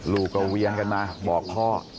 ลูกก็เวียงกันมาบอกพ่อ